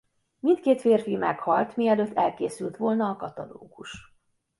Mindkét férfi meghalt mielőtt elkészült volna a katalógus.